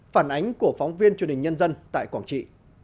phản ánh của phóng viên truyền hình nhân dân tại quảng trị